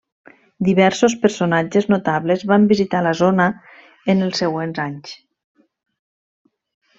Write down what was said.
Diversos personatges notables van visitar la zona en els següents anys.